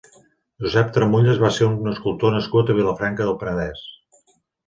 Josep Tramulles va ser un escultor nascut a Vilafranca del Penedès.